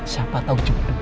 siapa tau jumpa